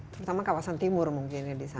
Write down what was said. terutama kawasan timur mungkin ya di sana